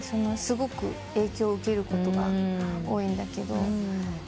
すごく影響を受けることが多いんだけど。